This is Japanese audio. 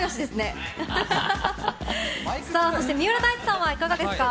そして三浦大知さんはいかがですか？